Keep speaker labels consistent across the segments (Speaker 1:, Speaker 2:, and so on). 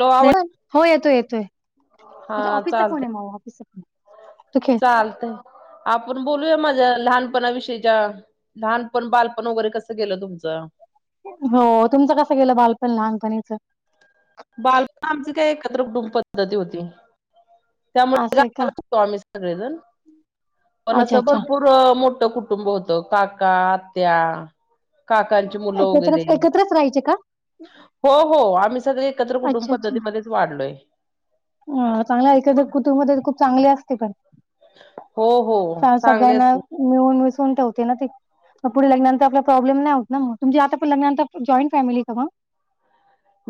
Speaker 1: Hello आवाज
Speaker 2: हो येतोय येतोय
Speaker 1: हा
Speaker 2: माझा, ऑफिसचा फोन ये
Speaker 1: चालतय
Speaker 2: माऊ ऑफिसचा. ओके
Speaker 1: चालतंय. आपण बोलूया, माझ्या लहानपणा विषयीच्या. लहानपण बालपण वगैरे, कसं गेलं तुमचं.
Speaker 2: हो तुमचं कसं गेलं, बालपण लहानपणीचं.
Speaker 1: बालपण आमची काय, एकत्र कुटुंबपद्धती होती. त्यामुळे
Speaker 2: असं आहे का
Speaker 1: [unintelligible] आम्ही सगळेजण पण
Speaker 2: अच्छा
Speaker 1: असं
Speaker 2: अच्छा
Speaker 1: भरपूर. असं मोठं कुटुंब होतं काका, आत्या. काकांची मुलं
Speaker 2: एकत्रच
Speaker 1: वगैरे,
Speaker 2: एकत्रच राहायचे का
Speaker 1: हो हो आम्ही सगळे. एकत्र कुटुंब पद्धतीमध्येच वाढलोय.
Speaker 2: हा चांगल्या एकत्र कुटुंबामध्ये खूप चांगले असते पण.
Speaker 1: हो हो
Speaker 2: सा
Speaker 1: चांगले
Speaker 2: सगळ्यांना
Speaker 1: असते
Speaker 2: मिळून मिसळून ठेवते ना मग ती. प पुढे लग्नानंतर आपला प्रॉब्लेम नाही होत ना मग तुमच्या आता पण लग्नानंतर जॉईंट फॅमिली आहे का मग?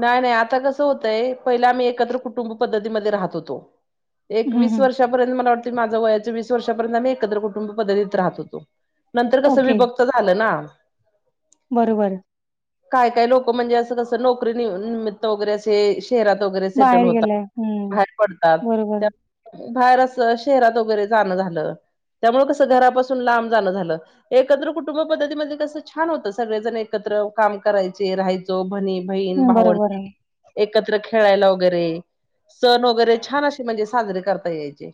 Speaker 1: नाही नाही आता कसं होतंय पहिला आम्ही एकत्र कुटुंब पद्धतीमध्ये राहत होतो. एक
Speaker 2: हम्म
Speaker 1: वीस
Speaker 2: हम्म
Speaker 1: वर्ष चापर्यंत मला वाटते माझ्या वयाच्या वीस वर्षापर्यंत आम्ही एकत्र कुटुंब पद्धतीमध्ये राहत होतो नंतर कसा विभक्त त झालं ना.
Speaker 2: बरं बरं.
Speaker 1: काय काय लोक म्हणजे असं कसं नोकरी निमित्त वगैरे असे शहरात वगैरे सेटल
Speaker 2: बाहेर
Speaker 1: होतात
Speaker 2: गेलाय हम्म
Speaker 1: बाहेर पडतात
Speaker 2: बरोबर
Speaker 1: त्या बाहेर अस शहरात वगैरे जाणं झालं त्यामुळे कसं घरापासून लांब जाणं झालं. एकत्र कुटुंब पद्धतीमध्ये कसं छान होतं सगळेजण एकत्र काम करायचे राहायचो भणी बहीण
Speaker 2: बरोबर
Speaker 1: भावंडे एकत्र खेळायला वगैरे सण वगैरे छान असे म्हणजे साजरे करता यायचे.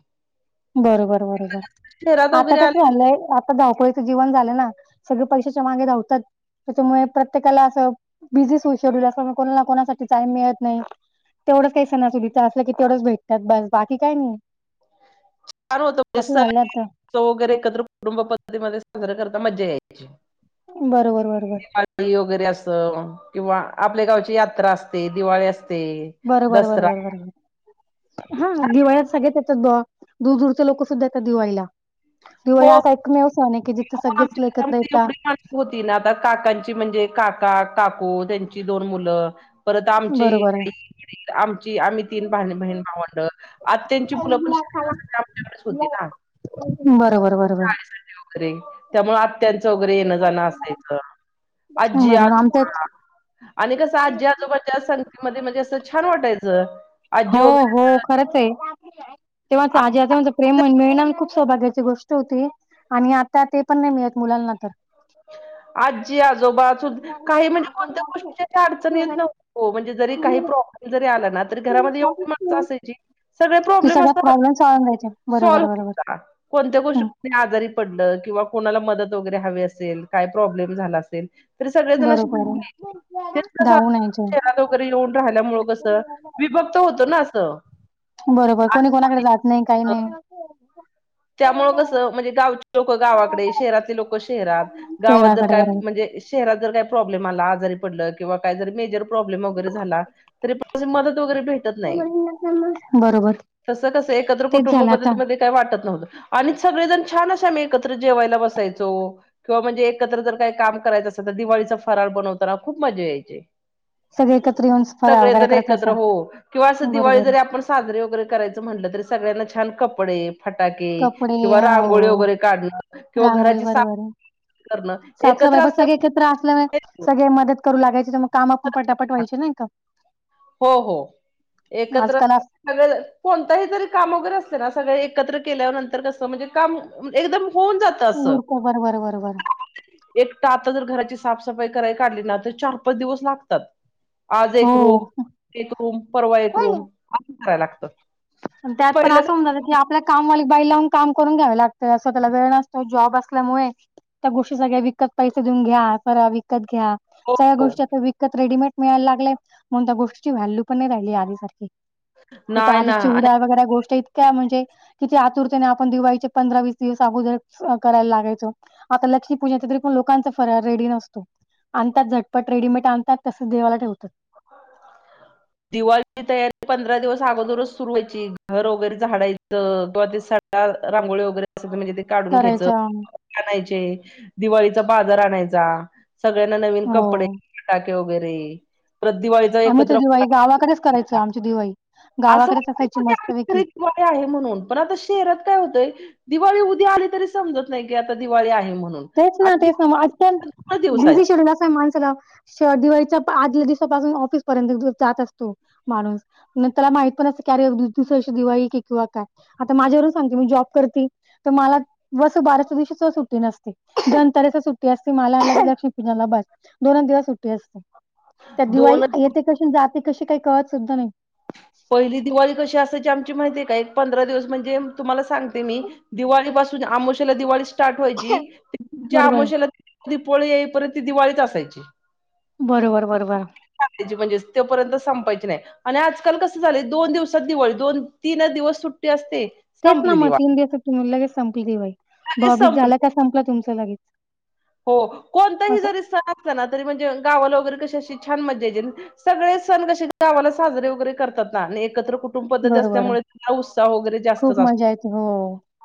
Speaker 2: बरोबर बरोबर
Speaker 1: शहरात
Speaker 2: आता
Speaker 1: वगैरे
Speaker 2: कस
Speaker 1: आले
Speaker 2: झालंय आता आता धावपळीचं जीवन झालं ना सगळे पैशाच्या मागे धावतात त्याच्यामुळे प्रत्येकाला असं बिझीस हो शेड्यूल अस कोणाला कोणासाठी टाईम मिळत नाही. तेवढेच काही सणासुदीचा असलं की की तेवढेच भेटतात बस बाकी काही नाही.
Speaker 1: [unintelligible]
Speaker 2: असं झालं आता
Speaker 1: एकत्र कुटुंब पद्धतीमध्ये साजरी करताना मज्जा यायची.
Speaker 2: बरोबर बरोबर.
Speaker 1: होळी वगैरे अस किंवा आपल्या गावची यात्रा असते दिवाळी असते.
Speaker 2: बरबर
Speaker 1: दसरा
Speaker 2: बरबर बरबर. हा दिवाळीत सगळ्याच येतात ग दूर दूरचे लोक सुद्धा येतात दिवाळीला.
Speaker 1: हो
Speaker 2: दिवाळी असा एकमेव सण आहे की जिथं सगळेच
Speaker 1: आमच्या
Speaker 2: एकत्र
Speaker 1: घरामध्ये
Speaker 2: येतात
Speaker 1: एवढी माणसं होती ना आता काकांची म्हणजे काका काकू त्यांची दोन मुलं. परत आमची
Speaker 2: बरोबर आहे
Speaker 1: परत आमची आम्ही तीन भावंड आत्यांची मुलं पण [unintelligible] तस ती आमच्याकडेच होती ना.
Speaker 2: बरं बरं ब
Speaker 1: [unintelligible] त्यामुळ आत्याचं वगैरे येणं जाणं असायचं आजी
Speaker 2: बरोबर आमच्या
Speaker 1: आजोबा आणि कसं आजी आजोबाच्या संगतीमध्ये म्हणजे असं छान वाटायचं. आजी
Speaker 2: हो
Speaker 1: वगैरे
Speaker 2: हो खरंच आहे तेव्हा
Speaker 1: आ-
Speaker 2: आजी आजोबांच प्रेम मिळणार खूप सौभाग्याची गोष्ट होती आणि आता ते पण नाही मिळत मुलांना तर.
Speaker 1: आजी आजोबा चुलते काही म्हणजे कोणत्या गोष्टीची अशी अडचण येत नव्हती ओ म्हणजे जरी काही प्रॉब्लेम जरी आला ना [unintelligible] तरी घरामध्ये एवढी माणसं असायची की सगळे
Speaker 2: कि
Speaker 1: प्रॉब्लेम
Speaker 2: सगळ्यात प्रॉब्लेम सॉल्व व्हायचे
Speaker 1: सॉल
Speaker 2: बरोबर
Speaker 1: होऊन
Speaker 2: बरोबर
Speaker 1: जायचे. कोणत्या गोष्टी
Speaker 2: हम्म
Speaker 1: आजारी पडलं किंवा कोणाला मदत वगैरे हवी असेल काय प्रॉब्लेम झाला असेल तरी सगळेजण असे
Speaker 2: बरोबर
Speaker 1: मिळून यायचे. [unintelligible] ते
Speaker 2: धावून यायचे
Speaker 1: शहरात वगैरे येऊन राहिल्यामुळं कसं विभक्त होतं ना असं.
Speaker 2: बरोबर कोणी कोणाकडे जात नाही काही नाही.
Speaker 1: त्यामुळ कसं म्हणजे गावची लोक गावाकडे शहरातले लोक शहरात गावात जर
Speaker 2: शहराकडे
Speaker 1: काय
Speaker 2: बरोबर
Speaker 1: म्हणजे शहरात जर काही प्रॉब्लेम आला आजारी पडल किंवा का जर मेजर प्रॉब्लेम वगैरे झाला तरीपण मदत अशी भेटत नाही.
Speaker 2: [unintelligible]
Speaker 1: तस कसं एकत्र
Speaker 2: तेच
Speaker 1: कुटुंब
Speaker 2: झालं आता
Speaker 1: पद्धतीमध्ये काय वाटत नव्हत. आणि सगळेजण छान असा आम्ही एकत्र जेवायला बसायचो. किंवा म्हणजे एकत्र जर काही काम करायचं असल तर दिवाळीचा फराळ बनवताना खूप मजा यायची.
Speaker 2: सगळे एकत्र येऊन फराळ वगैरे
Speaker 1: सगळेजण
Speaker 2: करत
Speaker 1: एकत्र
Speaker 2: असाल
Speaker 1: हो किंवा असं दिवाळी
Speaker 2: बरोबर
Speaker 1: जरी आपण साजरे वगैरे करायचं म्हटलं तरी, सगळ्यांना छान कपडे फटाके.
Speaker 2: कपडे
Speaker 1: किंवा
Speaker 2: हो
Speaker 1: रांगोळी वगैरे, काढण किंवा
Speaker 2: रांगोळी
Speaker 1: घराचे सा
Speaker 2: बरोबर आहे.
Speaker 1: की.
Speaker 2: साफसफाई पण सगळे एकत्र, असल्यामुळे सगळे मदत. करू लागायचे तर मग काम, पण पटापट व्हायचे ना का.
Speaker 1: हो हो एकत्र.
Speaker 2: आजकाल
Speaker 1: सगळ कोणत ही तरी काम वगैरे असलं ना, सगळे एकत्र केल्या नंतर कसं म्हणजे काम एकदम होऊन जात.
Speaker 2: उरकू भरभर भरभर.
Speaker 1: एकटा आता जर, घराची साफसफाई कराय काढली ना तर चार पाच दिवस लागतात. आज
Speaker 2: हो
Speaker 1: एक रूम, एक रूम परवा एक रूम असं कराय लागतं, पहिलं का
Speaker 2: काय आपल्या कामवालीकबाई लावून काम करून घ्याव लागतं, असं त्याला वेळ नसतो जॉब असल्यामुळे. त्या गोष्टी सगळ्या विकत पैसे देऊन घ्या करावी. घ्यां
Speaker 1: हो
Speaker 2: सगळ्या
Speaker 1: हो
Speaker 2: गोष्टी विकत रेडिमेड मिळायला लाग त्या गोष्टीची व्हॅल्यू पण नाही राहिली, आधी सारखी
Speaker 1: नाही ना
Speaker 2: आधीची
Speaker 1: आणि
Speaker 2: चिवडा वगैरे गोष्टीत. काय म्हणजे किती आतुरते ने, आपण दिवाळीचे पंधरा वीस दिवस अगोदर करायला लागायचो. आता लक्ष्मी पूजाच तरी पण, लोकांचा फराळ रेडी नसतो. आणतात झटपट रेडीमेड आणतात, तसंच देवाला ठेवतात.
Speaker 1: [unintelligible] दिवाळीची तयारी पंधरा दिवस अगोदरच सुरू व्हायची, घर वगैरे झाडाय [unintelligible] रांगोळी वगैरे असं तुम्ही म्हणजे, काढून घ्यायचं
Speaker 2: करायचं
Speaker 1: आणायचे, दिवाळीचा बाजर आणायचा. सगळ्यांना नवीन कपडे,
Speaker 2: हो
Speaker 1: फटाके वगैरे परत दिवाळीत.
Speaker 2: आम्ही तर दिवाळी गावाकडेच करायचो, आमची दिवाळी गावाकडेच असायची मस्त पैकी.
Speaker 1: तो आहे म्हणून, पण आता शहरात काय होतंय. दिवाळी उद्या आली तरी समजत नाही, की आता दिवाळी आहे म्हणून.
Speaker 2: तेच ना
Speaker 1: आणि
Speaker 2: तेच ना मग आज
Speaker 1: दिवाळी
Speaker 2: पण,
Speaker 1: फक्त दोन दिवसाची,
Speaker 2: बिझी शेड्युल असं माणस दिवाळीच्या आदल्या दिवसापासून, ऑफिस पर्यंत जात असतो माणूस. नाही तर [unintelligible] त्याला माहित पण नसते की अरे दिवसाशी दिवाळी की किंवा काय. आता माझ्यावरून सांगते, मी जॉब करती तर मला वसुबारस दिवशी ही सुट्टी नसते. धन तेरस सुट्टी असते मला, लक्ष्मीपूजन ला बस दोन दिवस सुट्टी असते. त्या दिवाळी
Speaker 1: दोनच
Speaker 2: येते कशी जाते, कशी काही कळत सुद्धा नाही.
Speaker 1: पहिली दिवाळी कशी असायची आमची माहिती आहे काय, एक पंधरा दिवस म्हणजे तुम्हाला सांगते मी. दिवाळी पासून, आमोशाला दिवाळीस. स्टाट व्हायची‌ पुढच्या,
Speaker 2: बरोबर,
Speaker 1: आमोशाला दिवाळी येई पर्यंत ती दिवाळीत असायची.
Speaker 2: बरोबर बरोबर.
Speaker 1: [unintelligible] म्हणजे तोपर्यंत संपायची नाही. आणि आजकाल कसं झाले, दोन दिवसात दिवाळी दोन तीन दिवस सुट्टी असते.
Speaker 2: तेच ना
Speaker 1: संपली
Speaker 2: मग
Speaker 1: दिवाळी
Speaker 2: तीन दिवस तुम्ही लगेच, संपली दिवाळी
Speaker 1: लगेच
Speaker 2: भाऊबीज
Speaker 1: संपली.
Speaker 2: झाला का संपला तुमचं लगेच.
Speaker 1: हो कोणता ही
Speaker 2: असं.
Speaker 1: जरी सन असला, तरी म्हणजे गावाला वगैरे कशी अशी छान म्हणजे येते. सगळे सण कसे गावाला साजरे वगैरे, करतात ना एकत्रकुटुंब. खुप पद्धती
Speaker 2: बरोबर आहे.
Speaker 1: असल्यामुळे त्यांना, उत्साह वगैरे जास्त
Speaker 2: खूप
Speaker 1: असतो.
Speaker 2: मजा येते हो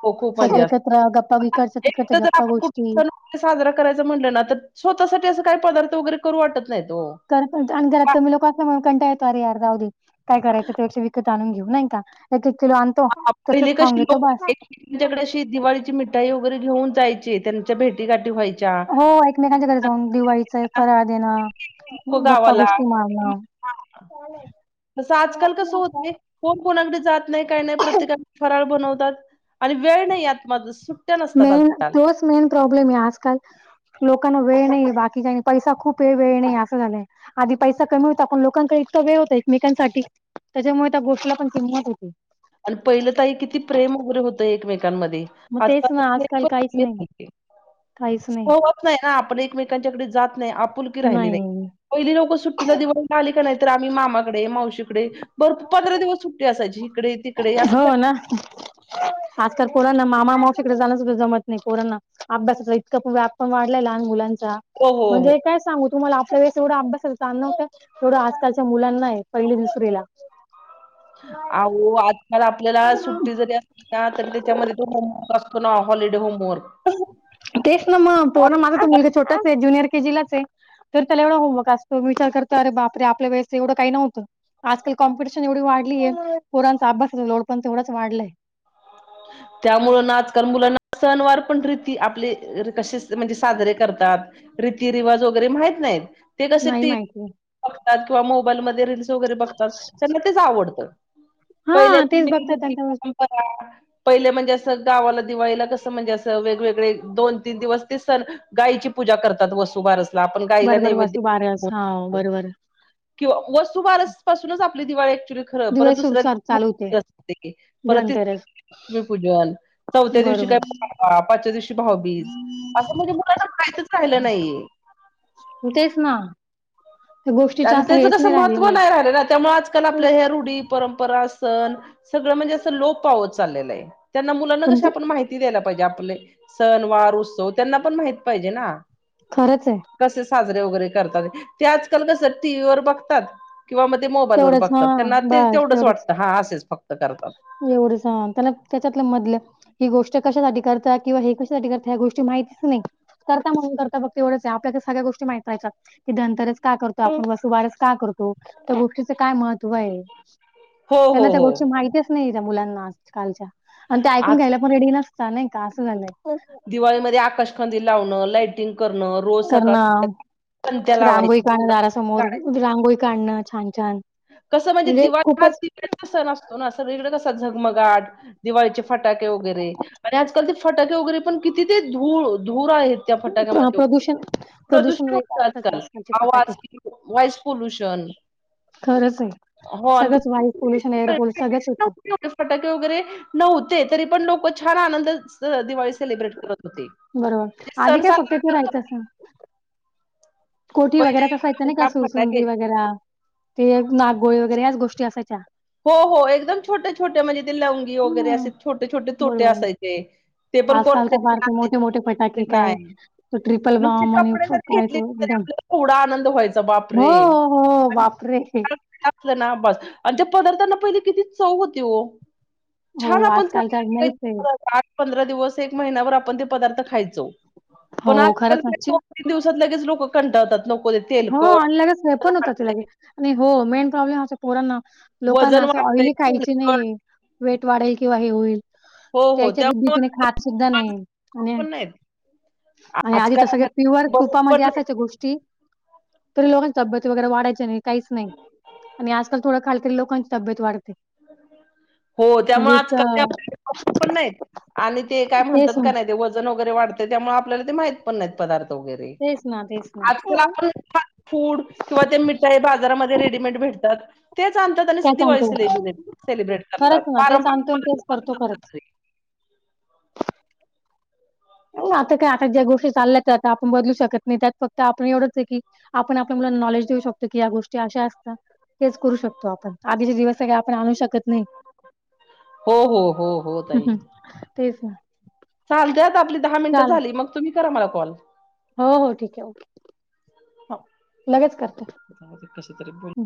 Speaker 1: हो खुप
Speaker 2: सगळे
Speaker 1: मज्जा असते
Speaker 2: एकत्र गप्पा
Speaker 1: ‌
Speaker 2: इकडच्या तिकडच्या गप्पा गोष्टी
Speaker 1: [unintelligible] साजरा करायच म्हणटलं ना तर, स्वतःसाठी असं काही पदार्थ वगैरे करू वाटत नाही ओ.
Speaker 2: कारण अन घरात कमी लोकं, असं कंटाळत अरे यार जावू दे. काय करायचं तेच्या, विकत आणून घेऊ नाही का. एक एक किलो आणतो, तसंच
Speaker 1: पहिले
Speaker 2: खाऊन
Speaker 1: कशी
Speaker 2: घेतो
Speaker 1: लोक
Speaker 2: बस.
Speaker 1: त्यांच्याकडे अशी दिवाळीची मि ताई वगैरे घेऊन जायचीचे, त्यांच्या भेटी काठी व्हायची.
Speaker 2: हो एकमेकांच्या घरी जाऊन दिवाळीचा, फराळ देणं
Speaker 1: लोक
Speaker 2: गप्पा
Speaker 1: गावाला
Speaker 2: गोष्टी मारणं. चालेल..
Speaker 1: तसं आज काल कसं होते. कोण कोणाकडे जात नाही काही नाही प्रत्येकाला फराळ बनवतात आणि वेळ नाही आत माझा सुट
Speaker 2: मेन तोच मेन प्रॉब्लेम आहे. आजकाल. लोकांना वेळ नाहीे बाकी काही नाही पैसा खूप आहे वेळ नाही असं झालंय. आधी पैसा कमी होता. पण, लोकांकडे इतका वेळ होता एकमेकांसाठी. त्याच्यामुळे त्या, गोष्टीला पण किंमत होती.
Speaker 1: आणि पहिलं ताई किती? प्रेम वगैरे होतं एकमेकांमध्ये.
Speaker 2: मग तेच ना आजकाल काहीच नाही
Speaker 1: [unintelligible] नाही ना आपण एकमेकांच्याकडे जात नाही आपुलकी राहिली नाही. पहिली लोकं सुट्टीला दिवस दिवाळीला आले का? नाही तर आम्ही मामाकडे, मावशीकडे. भरपूर पंधरा दिवस सुट्टी असायची. इकडे, तिकडे या सुद्धा.
Speaker 2: हो ना आजकाल पोरांना मामा मावशीकडे जाणच्या जमत नाही पोरांना. अभ्यासाचा इतका व्याप पण वाढलाय लहान मुलांचा
Speaker 1: हो हो हो
Speaker 2: म्हणजे काय सांगू तुम्हाला आपल्या वेळेस तेवढा अभ्यासचा ताण नव्हतं ऐवढं आजकालच्या मुलांना आहे पहिले दुसरिला.
Speaker 1: अहो. आजकाल आपल्याला सुट्टी जरी असली. त्या तरी त्याच्यामध्ये तो होमवर्क असतो ना हॉलिडे होमवर्क.
Speaker 2: तेच ना. मग, पोरं. माझा तर मुलगा छोटाच आहे. ज्युनियर के जी लाच आहे. तर त्याला एवढा होमवक असतो. विचार करता, अरे! बापरे! आपल्या वेळेस एवढं काही नव्हतं. आजकाल कॉम्पिटिशन एवढी वाढलीय. पोरांचा अभ्यासाचा लोड पण तेवढाच वाढलाय.
Speaker 1: त्यामुळं. आजकाल मुलांना सणवार पण, रीती, आपली कशी? म्हणजे साजरे करतात. रीती, रिवाज वगैरे माहीत नाहीत. ते कसे
Speaker 2: नाही
Speaker 1: टी
Speaker 2: माहिती
Speaker 1: बघतात मोबाईल मध्ये रील्स वगैरे बघ तर त्यांना तेच आवडतं पहिल्या
Speaker 2: हा
Speaker 1: [inaudible]
Speaker 2: तेच बघतात त्यांच्या
Speaker 1: परंपरा पहिले म्हणजे असं गावाला दिवाळीला कसं? म्हणजे असं वेग वेगळे दोन, तीन दिवस ते सण. गायची पूजा करतात वसूबारसला आपण गायला
Speaker 2: बरोबर वासू बारस
Speaker 1: नैवेद्य
Speaker 2: हा
Speaker 1: [inaudible]
Speaker 2: बरोबर
Speaker 1: किंवा वसु बारस पासूनच आपली दिवाळी ऍक्च्युली खर परत
Speaker 2: दिवस
Speaker 1: दुसऱ्या
Speaker 2: संसार चालू ते
Speaker 1: परत [inaudible] असते की परत ती
Speaker 2: धनतेरस
Speaker 1: मी पूजल चौथ्या दिवशी काय
Speaker 2: बरोबर
Speaker 1: [inaudible] पाचव्या दिवशी ही भाऊबीज असं, म्हणजे मुलांना माहितच राहिलं नाहीये.
Speaker 2: हो. तेच ना. त्या गोष्टीच
Speaker 1: आणि
Speaker 2: असं
Speaker 1: त्याचं
Speaker 2: हेच
Speaker 1: कसं
Speaker 2: नाही
Speaker 1: महत्त्व
Speaker 2: राहिलेलं आहे
Speaker 1: नाही राहिले ना त्यामच आजकाल, आपल्या ह्या रूढी, परंपरा, सण सगळं म्हणजे, असं लोप पावत चाललेलं आहे. त्यांना मुलांना
Speaker 2: पण
Speaker 1: कशी?
Speaker 2: ते
Speaker 1: आपण माहिती द्यायला पाहिजे. आपले सण, वार उत्सव, त्यांना पण माहित पाहिजे ना.
Speaker 2: खरंच आहे.
Speaker 1: कसे? साजरे वगैरे करतात. ते आजकाल कस? टी व्ही वर बघतात. किंवा म ते मोबाईल वर
Speaker 2: तेवढंच हा
Speaker 1: बघतात त्यांना ते
Speaker 2: बस
Speaker 1: तेवढंच वाटतं हा असेच फक्त करतात.
Speaker 2: एवढं सांग त्यांना त्याच्यातलं मधलं ही गोष्ट कशासाठी? करता किंवा हे कशासाठी? करतं ह्या गोष्टी माहितीच नाही. करता म्हणून करता फक्त ते एवढंच आहे. आपल्याला सगळ्या गोष्टी माहित पाहिजेत. की धंनतरेस का? करतो आपण वसुुबारस का? करतो. त्या गोष्टीचा काय महत्त्व आहे
Speaker 1: हो हो
Speaker 2: त्यांना त्या
Speaker 1: हो
Speaker 2: गोष्टी माहितीच नाही त्या मुलांना आजकालच्या. आणि ते ऐकून
Speaker 1: आज
Speaker 2: घ्यायला पण, रेडी नसतात. नाही का? असं झालंय.
Speaker 1: दिवाळीमध्ये आकाश कंदील लावणं, लाइटिंग करणं रोज सकाळ
Speaker 2: करणं,
Speaker 1: संध्याकाळी पणत्या
Speaker 2: रांगोळी काढणं,
Speaker 1: लावायची
Speaker 2: दारासमोर रांगोळी काढणं, छान छान.
Speaker 1: कसं? म्हणजे दिवाळी हा दिव्यांचा सण असतो ना. सगळीकडे कसं? झगमगाट. दिवाळीचे फटाके वगैरे आणि आजकाल ते फटाके वगैरे पण किती ते धू धूर आहेत. त्या
Speaker 2: प्र
Speaker 1: फटाक्यामध्ये होते
Speaker 2: प्रदूषण
Speaker 1: प्रदूषण
Speaker 2: वगैरे
Speaker 1: होतय.
Speaker 2: असतात
Speaker 1: आजकाल,
Speaker 2: आजकालचे फटाके.
Speaker 1: आवाज वॉइस पोल्युशन.
Speaker 2: खरंच आहे
Speaker 1: हो आणि
Speaker 2: सगळंच वायू पोल्युशन एअर पोल्युशन सगळंच होतं.
Speaker 1: [unintelligible] फटाके वगैरे नव्हते तरी पण लोकं छान आनंद स दिवाळी सेलिब्रेट करत होते
Speaker 2: बरोबर की
Speaker 1: म्हणजे
Speaker 2: आली
Speaker 1: सण
Speaker 2: काय? फक्त
Speaker 1: साजरा
Speaker 2: इथे
Speaker 1: करत
Speaker 2: राहायचं
Speaker 1: होते
Speaker 2: अस. कोठी वगैरे
Speaker 1: पहिले
Speaker 2: तसा, यचं ना
Speaker 1: एवढे फटाके
Speaker 2: कासरसुंदी वगैर. ते नागोळी वगैरे ह्याच, गोष्टी असायच्या.
Speaker 1: हो हो.. एकदम छोटे छोटे म्हणजे ते लवंगी. वगैरे
Speaker 2: हं.
Speaker 1: असे छोटे छोटे तोटे
Speaker 2: बरोबर.
Speaker 1: असायचे. ते पण
Speaker 2: आजकाल
Speaker 1: कोणा
Speaker 2: तर फार ते मोठे-मोठे फटाके
Speaker 1: [unintelligible] नाय.
Speaker 2: काय, तो ट्रिपल
Speaker 1: नुकतीच
Speaker 2: बॉम्ब आणि
Speaker 1: कपडे जरी
Speaker 2: काय
Speaker 1: घेतले
Speaker 2: तो
Speaker 1: तरी,
Speaker 2: एकदम
Speaker 1: आपल्याला केवडा आनंद व्हायचा, बाप
Speaker 2: हो,
Speaker 1: रे.
Speaker 2: [unintelligible]
Speaker 1: हाना ना बस आणि त्या, पदार्थांना पहिले किती चव होती ओ.
Speaker 2: हो,
Speaker 1: छान आपण
Speaker 2: आजकालच्या नाहीच आहे.
Speaker 1: आठ पंधरा दिवस, एक महिन्यावर आपण ते पदार्थ खायचो. पण
Speaker 2: हो,
Speaker 1: आजकाल,
Speaker 2: खरंच नक्की.
Speaker 1: दोन तीन दिवसात लगेच लोक कंटाळतात लोकं.
Speaker 2: हो आणि लगेच हे पण होत ति लगे, आणि हो मेन प्रॉब्लेम अस पोरांना. लोकांना
Speaker 1: वजन वाढतंय वजन
Speaker 2: असं
Speaker 1: वाढतंय,
Speaker 2: ऑइली खायची
Speaker 1: तेलकट
Speaker 2: नाहीे, वेट वाढेल किंवा हे होईल.
Speaker 1: हो हो
Speaker 2: त्याच्या
Speaker 1: त्या
Speaker 2: भीतीने खात सुद्धा नाही आणि,
Speaker 1: पण नाहीत.
Speaker 2: आणि आधी
Speaker 1: आजकाल
Speaker 2: तर, सगळ्या प्युअर
Speaker 1: आपल्याला बरोबर
Speaker 2: तुपामध्ये
Speaker 1: पण नाही
Speaker 2: असायच्या गोष्टी. तरी लोकांची तब्येत वगैरे वाढयची नाही काहीच नाही आणि, आजकाल थोडं खाल तरी लोकांची तब्येत वाढते.
Speaker 1: हो त्यामुळे
Speaker 2: म्हणजे
Speaker 1: आज क त्या
Speaker 2: इतकं
Speaker 1: पण नाहीत आणि ते काय म्हणतात
Speaker 2: तेच ना,
Speaker 1: का नाही ते, वजन वगैरे वाढतं त्यामुळे, आपल्याला ते माहित पण नाहीत पदार्थ. वगैरे
Speaker 2: तेच ना, तेच ना.
Speaker 1: आज काल आपण. फूड किंवा ते मिठाई बाजारामध्ये रेडीमेड भेटतात, तेच आणतात आणि
Speaker 2: तेच
Speaker 1: दिवाळी
Speaker 2: आणतो
Speaker 1: सेलिब्रेट. सेलिब्रेट
Speaker 2: खरंच
Speaker 1: करतात
Speaker 2: ना तेच
Speaker 1: पारंपरिक
Speaker 2: आणतो,
Speaker 1: पदार्थ
Speaker 2: तेच करतो खरंच.
Speaker 1: बनवतात घरी.
Speaker 2: आता काय आता ज्या गोष्टी चालल्यात आता आपण बदलू शकत नाही. त्यात फक्त आपण एवढंच आहे की, आपण आपल्या मुलाना नॉलेज देऊ शकतो, की या गोष्टी अशा असतात. तेच करू शकतो आपण, आधीचे दिवस आपण आणू शकत नाही.
Speaker 1: हो हो हो हो, ताई ताई.
Speaker 2: तेच ना,
Speaker 1: चालतंय आता आपली दहा मिनटं
Speaker 2: चालेल.
Speaker 1: झाली, मग तुम्ही करा मला कॉल.
Speaker 2: हो हो ठीक आहेे, हो लगेच करते.
Speaker 1: अग ते कसं तरी बोल.
Speaker 2: हं.